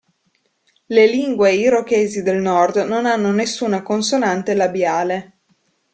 Le lingue irochesi del nord non hanno nessuna consonante labiale.